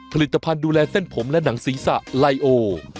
ผลิตภัณฑ์ดูแลเส้นผมและหนังศีรษะไลโอ